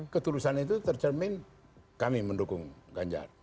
ketulusan itu tercermin kami mendukung ganjar